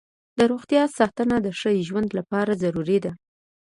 د روغتیا ساتنه د ښه ژوند لپاره ضروري ده.